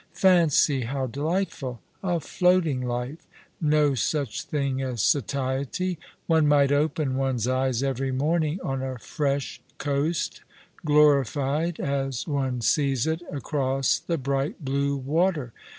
Fancy, how delightful! A floating life. No such thing as satiety. One might open one's eyes every morning on a fresh coast, glorified, as ono sees it across the bright, blue water.